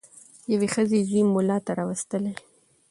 یوې ښځي زوی مُلا ته راوستلی